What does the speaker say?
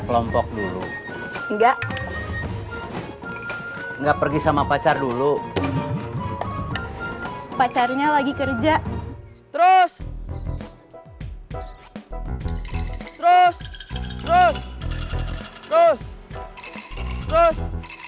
kelompok dulu enggak enggak pergi sama pacar dulu pacarnya lagi kerja terus terus terus